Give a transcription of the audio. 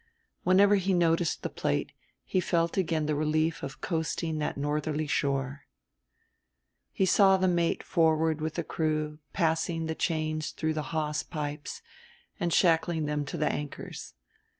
Whenever he noticed the plate he felt again the relief of coasting that northerly shore: He saw the mate forward with the crew passing the chains through the hawse pipes and shackling them to the anchors.